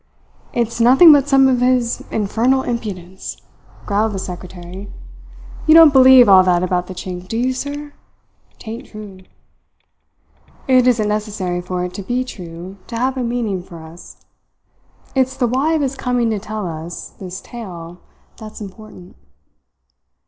"It's nothing but some of his infernal impudence," growled the secretary. "You don't believe all that about the Chink, do you, sir? 'Tain't true." "It isn't necessary for it to be true to have a meaning for us. It's the why of his coming to tell us this tale that's important."